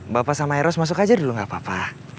bapak sama eros masuk aja dulu gak apa apa